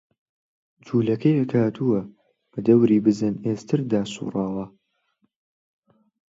جوولەکەیەک هاتووە، بە دەوری بزن ئێستردا سووڕاوە